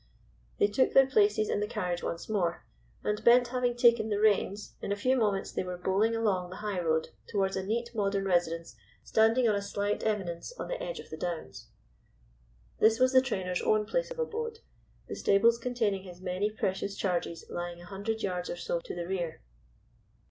They took their places in the carriage once more, and Bent having taken the reins, in a few moments they were bowling along the high road towards a neat modern residence standing on a slight eminence on the edge of the Downs. This was the trainer's own place of abode, the stables containing his many precious charges lying a hundred yards or so to the rear.